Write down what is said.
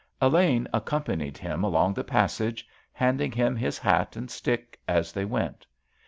Elaine accompanied him along the passage, handing him his hat and stick as they went.